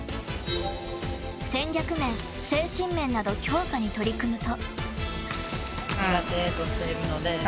戦略面、精神面など強化に取り組むと。